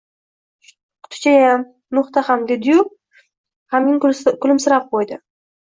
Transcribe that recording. Qutichayam. No‘xta ham... — dedi, dedi-yu g‘amgin kulimsirab qo‘ydi.